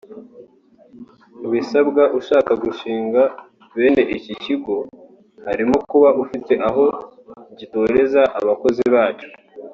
Mu bisabwa ushaka gushinga bene iki kigo harimo kuba gifite aho gitoreza abakozi bacyo